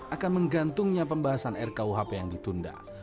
akan menggantungnya pembahasan rkuhp yang ditunda